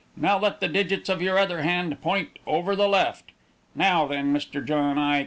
Now let the digits of your other hand point 'over the left.' Now then, Mr. John I.